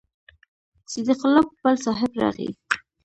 صدیق الله پوپل صاحب راغی.